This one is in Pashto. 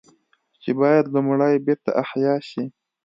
چې بايد لومړی بېرته احياء شي